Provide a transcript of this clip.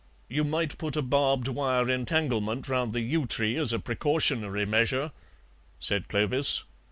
"You might put a barbed wire entanglement round the yew tree as a precautionary measure," said Clovis.